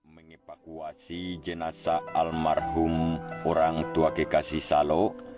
meng evakuasi jenazah almarhum orang tua gekasih salo